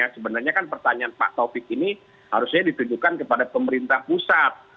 sebenarnya kan pertanyaan pak taufik ini harusnya ditujukan kepada pemerintah pusat